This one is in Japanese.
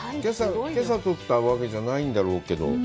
けさとったわけじゃないんだろうけど。